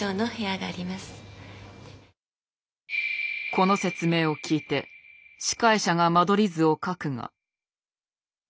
この説明を聞いて司会者が間取り図を書くが。